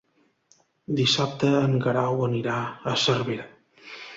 Dissabte en Guerau anirà a Cervera.